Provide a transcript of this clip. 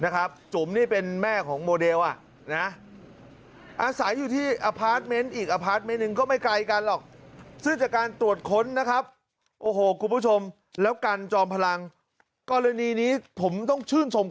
กรณีนี้ผมต้องชื่นชมเขาจริง